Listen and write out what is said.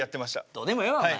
どうでもええわお前。